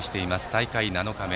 大会７日目。